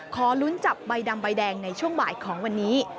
ขอลุ้นจับใบดำใบแดงในช่วงบ่ายของวันนี้